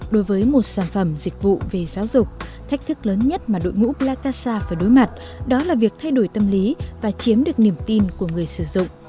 đối với một sản phẩm dịch vụ về giáo dục thách thức lớn nhất mà đội ngũ plakasa phải đối mặt đó là việc thay đổi tâm lý và chiếm được niềm tin của người sử dụng